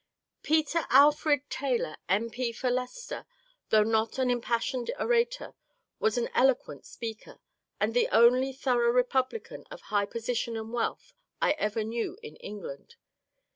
Peter Alfred Taylor, M. P. for Leicester, though not an impassioned orator was an eloquent speaker, and the only thorough republican of high position and wealth I ever knew in England.